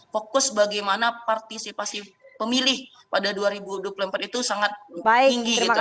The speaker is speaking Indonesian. fokus bagaimana partisipasi pemilih pada dua ribu dua puluh empat itu sangat tinggi gitu